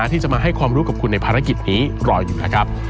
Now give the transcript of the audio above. ที่จะมาให้ความรู้กับคุณในภารกิจนี้รออยู่นะครับ